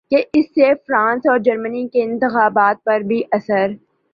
کہ اس سے فرانس ا ور جرمنی کے انتخابات پر بھی اثر